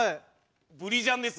ブリジャンです。